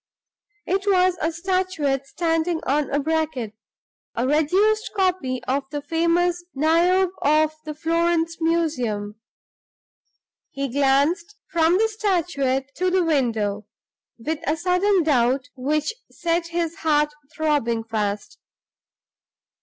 It was a statuette standing on a bracket a reduced copy of the famous Niobe of the Florence Museum. He glanced from the statuette to the window, with a sudden doubt which set his heart throbbing fast.